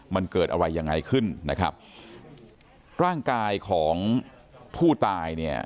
มันเกิดอะไรยังไงขึ้นนะครับร่างกายของผู้ตายเนี่ย